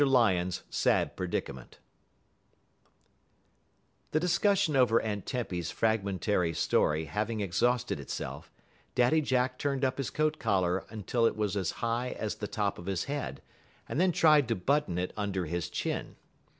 LION'S SAD PREDICAMENT The discussion over Aunt Tempy's fragmentary story having exhausted itself, Daddy Jack turned up his coat collar until it was as high as the top of his head, and then tried to button it under his chin.